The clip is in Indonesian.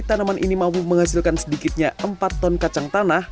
tanaman ini mampu menghasilkan sedikitnya empat ton kacang tanah